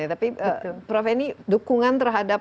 tapi prof eni dukungan terhadap